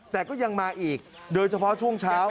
แต่ก็ยังมาอีกโดยเฉพาะช่วงเช้า